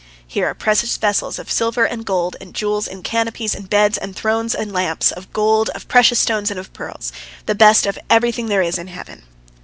Here are precious vessels of silver and gold and jewels and canopies and beds and thrones and lamps, of gold, of precious stones, and of pearls, the best of everything there is in heaven.